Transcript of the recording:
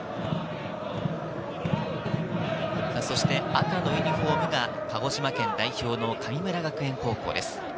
そして赤のユニホームが鹿児島県代表の神村学園高校です。